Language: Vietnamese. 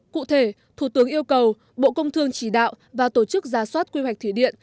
cụ thể thủ tướng yêu cầu bộ công thương chỉ đạo và tổ chức ra soát quy hoạch thủy điện